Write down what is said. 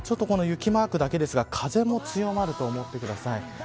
雪マークだけですが風も強まると思ってください。